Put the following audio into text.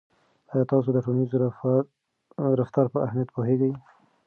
آیا تاسو د ټولنیز رفتار په اهمیت پوهیږئ.